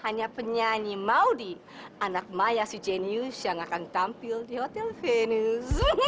hanya penyanyi maudie anak maya si jenius yang akan tampil di hotel venus